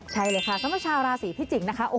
ใช่เลยค่ะสำหรับชาวราศีพิจิกษ์นะคะ